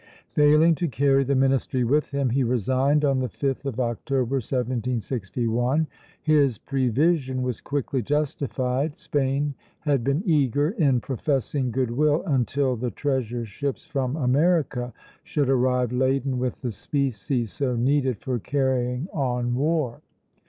Failing to carry the ministry with him, he resigned on the 5th of October, 1761. His prevision was quickly justified; Spain had been eager in professing good will until the treasure ships from America should arrive laden with the specie so needed for carrying on war.